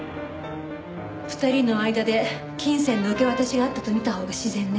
２人の間で金銭の受け渡しがあったと見たほうが自然ね。